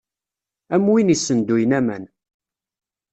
Am win issenduyen aman.